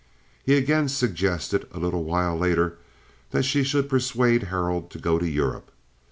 He again suggested a little while later that she should persuade Harold to go to Europe.